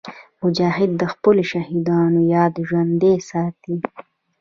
مجاهد د خپلو شهیدانو یاد ژوندي ساتي.